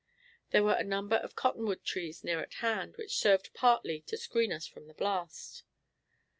There were a number of cottonwood trees near at hand, which served partly to screen us from the blast.